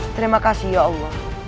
terima kasih ya allah